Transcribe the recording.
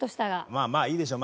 まあまあいいでしょう。